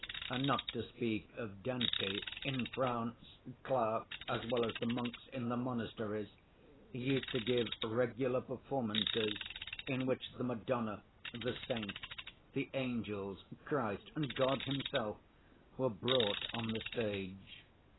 Not to speak of Dante, in France, clerks, as well as the monks in the monasteries, used to give regular performances in which the Madonna, the saints, the angels, Christ, and God himself were brought on the stage.